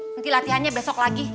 nanti latihannya besok lagi